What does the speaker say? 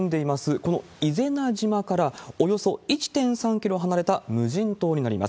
この伊是名島からおよそ１．３キロ離れた無人島になります。